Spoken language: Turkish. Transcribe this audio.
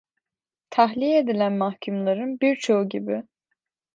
Tahliye edilen mahkumların birçoğu gibi…